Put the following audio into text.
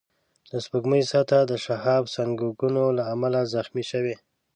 د سپوږمۍ سطحه د شهابسنگونو له امله زخمي شوې